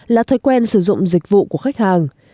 là thói quen sử dụng dịch vụ của khách hàng